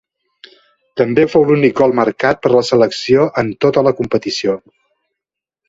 També fou l'únic gol marcat per la selecció en tota la competició.